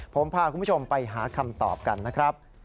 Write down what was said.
ผมพาคุณผู้ชมไปหาคำตอบกันนะครับ